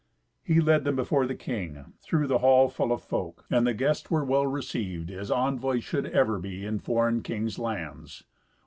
He led them before the king, through the hall full of folk, and the guests were well received, as envoys should ever be in foreign kings' lands.